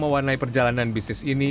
mewarnai perjalanan bisnis ini